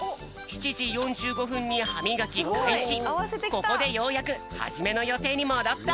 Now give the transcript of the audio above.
ここでようやくはじめのよていにもどった。